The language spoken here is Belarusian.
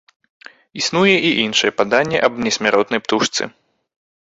Існуе і іншае паданне аб несмяротнай птушцы.